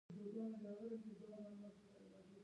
علي د دوو لویو قومونو ترمنځ د پرېکړې تیږه کېښودله.